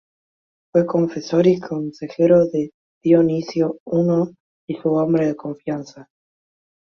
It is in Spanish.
Fue confesor y consejero de Dionisio I y su hombre de confianza.